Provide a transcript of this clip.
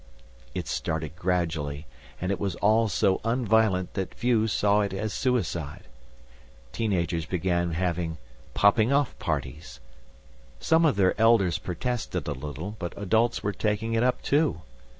It started gradually, and it was all so un violent that few saw it as suicide. Teen agers began having "Popping off parties". Some of their elders protested a little, but adults were taking it up too.